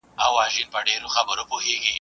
سالمې اړیکې د ټولنې ثبات زیاتوي.